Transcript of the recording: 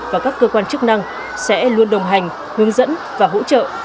và các cơ quan chức năng sẽ luôn đồng hành hướng dẫn và hỗ trợ